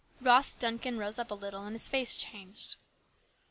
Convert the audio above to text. " Ross Duncan rose up a little and his face changed.